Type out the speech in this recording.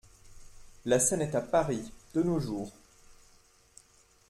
La scène est à Paris, de nos jours.